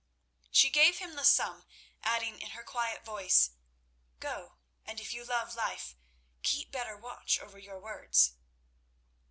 She gave him the sum, adding in her quiet voice: "Go; and if you love life, keep better watch over your words."